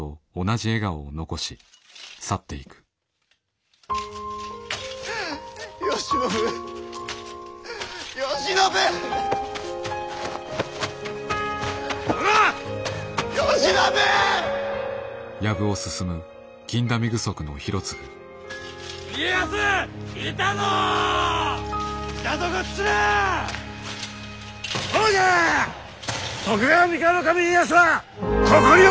徳川三河守家康はここにおるぞ！